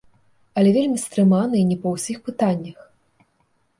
Але вельмі стрыманы і не па ўсіх пытаннях.